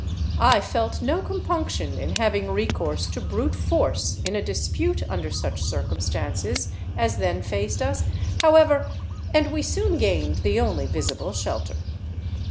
I felt no compunction in having recourse to brute force in a dispute under such circumstances as then faced us, however, and we soon gained the only visible shelter.